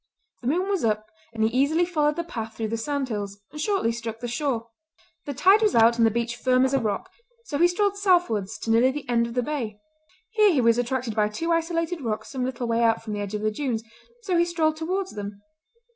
The moon was up and he easily followed the path through the sand hills, and shortly struck the shore. The tide was out and the beach firm as a rock, so he strolled southwards to nearly the end of the bay. Here he was attracted by two isolated rocks some little way out from the edge of the dunes, so he strolled towards them.